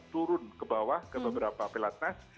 turun kebawah ke beberapa pelatnas